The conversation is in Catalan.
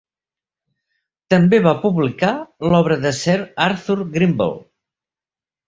També va publicar l'obra de Sir Arthur Grimble.